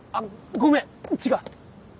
ごめん違う。